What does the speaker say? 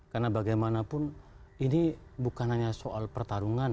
karena bagaimanapun ini bukan hanya soal pertarungan